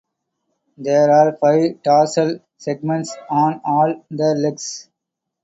There are five tarsal segments on all the legs.